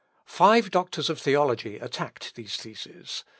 Five doctors of theology attacked these theses.